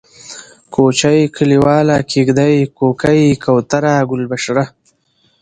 کوچۍ ، کليواله ، کيږدۍ ، کوکۍ ، کوتره ، گلبشره